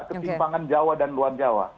ketimpangan jawa dan luar jawa